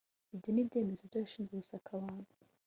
ibyo ni ibyemezo by'abashinzwe gusaka abantu